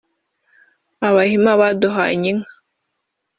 Abahima badukanye inka